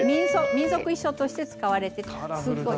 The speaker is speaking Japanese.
民族衣装として使われてすごい。